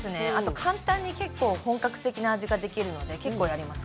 簡単に本格的な味ができるので結構やります。